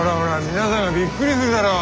皆さんがびっくりするだろう。